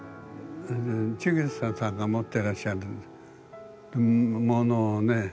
チグサさんが持ってらっしゃるものをね